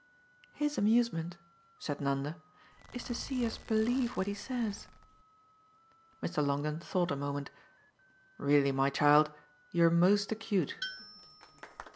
"His amusement," said Nanda, "is to see us believe what he says." Mr. Longdon thought a moment. "Really, my child, you're most acute."